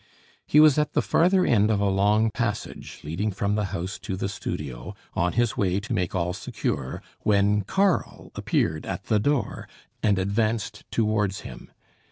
He was at the farther end of a long passage, leading from the house to the studio, on his way to make all secure, when Karl appeared at the door, and advanced towards him.